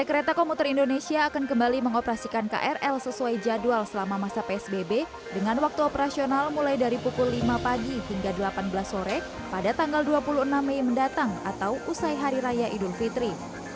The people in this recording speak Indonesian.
pt kereta komuter indonesia akan kembali mengoperasikan krl sesuai jadwal selama masa psbb dengan waktu operasional mulai dari pukul lima pagi hingga delapan belas sore pada tanggal dua puluh enam mei mendatang atau usai hari raya idul fitri